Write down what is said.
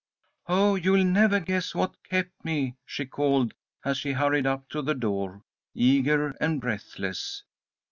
"Oh, you'll never, never guess what kept me!" she called, as she hurried up to the door, eager and breathless.